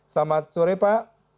selamat sore pak